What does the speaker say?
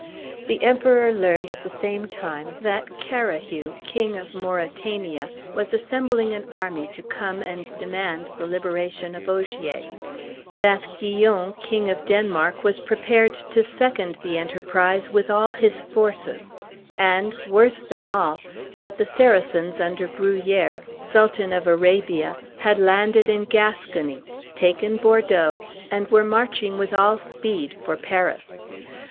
The Emperor learned at the same time that Carahue, King of Mauritania, was assembling an army to come and demand the liberation of Ogier; that Guyon, King of Denmark, was prepared to second the enterprise with all his forces; and, worse than all, that the Saracens, under Bruhier, Sultan of Arabia, had landed in Gascony, taken Bordeaux, and were marching with all speed for Paris.